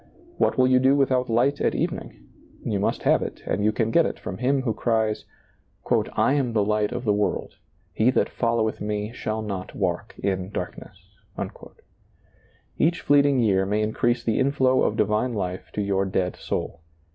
What will you do with out light at evening ? You must have it and you can get it from Him who cries :" I am the Light of the world: he that followeth me shall not walk in darkness." Each fleeting year may increase the inflow of divine life to your dead soul.